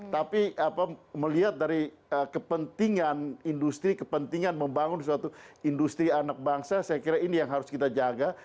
tapi melihat dari kepentingan industri kepentingan membangun suatu industri anak bangsa saya kira ini yang harus kita jaga